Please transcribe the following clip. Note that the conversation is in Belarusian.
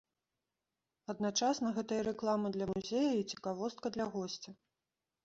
Адначасна гэта і рэклама для музея, і цікавостка для госця.